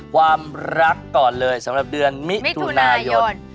ความรักก่อนเลยสำหรับเดือนมิถุนายน